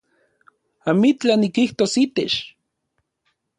Amitlaj nikijtos itech